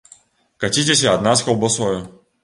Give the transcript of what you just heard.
Каціцеся ад нас каўбасою!